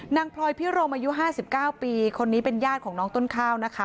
พลอยพิโรมอายุ๕๙ปีคนนี้เป็นญาติของน้องต้นข้าวนะคะ